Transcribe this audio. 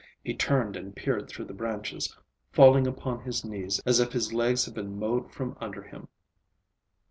He turned and peered through the branches, falling upon his knees as if his legs had been mowed from under him.